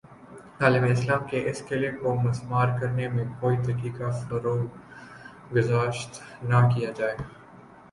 عالم اسلام کے اس قلعے کو مسمار کرنے میں کوئی دقیقہ فروگزاشت نہ کیا جائے